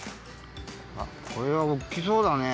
これはおおきそうだね！